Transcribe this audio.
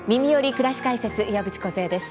くらし解説」岩渕梢です。